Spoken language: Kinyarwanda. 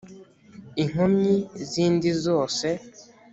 inkomyi zindi zose